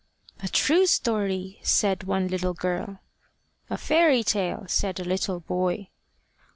"A true story," said one little girl. "A fairy tale," said a little boy.